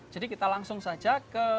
jadi kita langsung saja ke